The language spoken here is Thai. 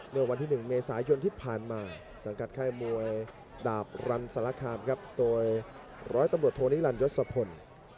เมื่อวันที่๑เมษายนที่ผ่านมาสังกัดค่ายมวยดาบรันสารคามครับโดยร้อยตำรวจโทนิรันยศพล